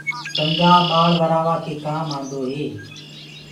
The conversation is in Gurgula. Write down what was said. ڪنٚگآ ٻݪورآوآ ڪي ڪآم آندو هي۔